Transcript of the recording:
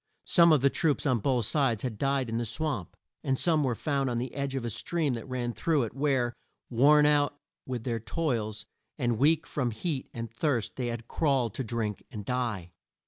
Some of the troops on both sides had died in the swamp, and some were found on the edge of a stream that ran through it, where, worn out with their toils, and weak from heat and thirst they had crawled to drink and die.